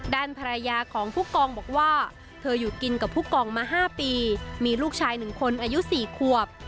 ด้านภรรยาของผู้กองบอกว่าเธออยู่กินกับผู้กองมา๕ปีมีลูกชาย๑คนอายุ๔ขวบ